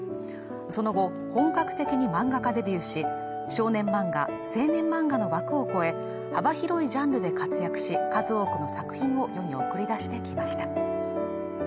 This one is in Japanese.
その後本格的に漫画家デビューし少年漫画青年漫画の枠を超え幅広いジャンルで活躍し数多くの作品を世に送り出してきました